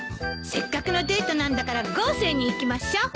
せっかくのデートなんだから豪勢にいきましょう。